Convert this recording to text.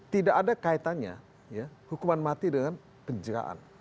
tidak ada kaitannya hukuman mati dengan penjaraan